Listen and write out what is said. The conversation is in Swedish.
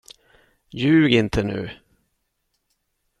Ljug inte nu!